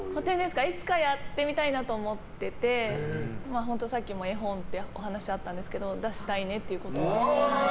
いつかやってみたいなと思っててさっきも絵本ってお話があったと思うんですけど出したいねっていうことは。